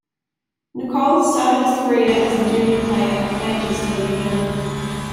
Nicholl started his career as a junior player at Manchester United.